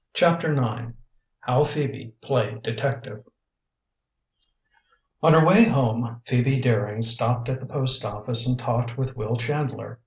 CHAPTER IX HOW PHOEBE PLAYED DETECTIVE On her way home Phoebe Daring stopped at the post office and talked with Will Chandler.